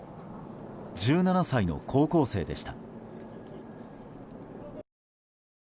１７歳の高校生でした。